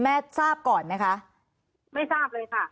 มันเป็นอาหารของพระราชา